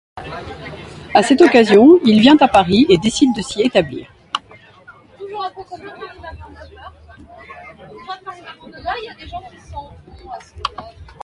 À cette occasion, il vient à Paris et décide de s’y établir.